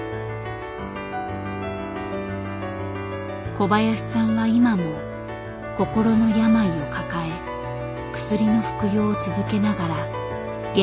小林さんは今も心の病を抱え薬の服用を続けながら現場に立っている。